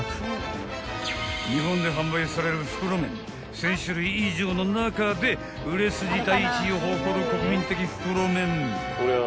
［日本で販売される袋麺１，０００種類以上の中で売れ筋第１位を誇る国民的袋麺］